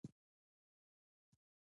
ایا د جګړې په صحنو کې وینه تویدنه شته؟